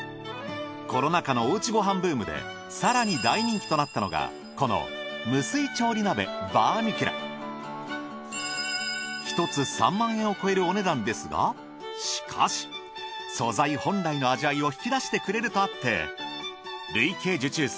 コロナ禍のおうちご飯ブームで更に大人気となったのがこの１つ３万円を超えるお値段ですがしかし素材本来の味わいを引き出してくれるとあって累計受注数